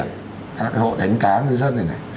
các cái hộ đánh cá ngư dân này này